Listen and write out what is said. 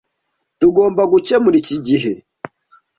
Tugomba gukemura iki gihe.